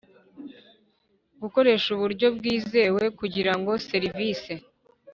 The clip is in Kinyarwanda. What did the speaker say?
gukoresha uburyo bwizewe kugira ngo services